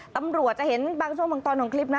ตำรวจจะเห็นบางช่วงบางตอนของคลิปนะ